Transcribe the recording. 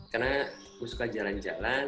karena gue suka jalan jalan